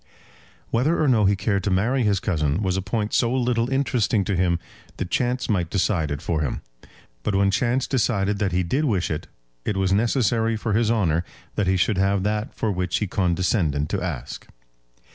Whether or no he cared to marry his cousin was a point so little interesting to him that chance might decide it for him; but when chance had decided that he did wish it, it was necessary for his honour that he should have that for which he condescended to ask.